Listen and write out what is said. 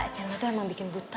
channel tuh emang bikin buta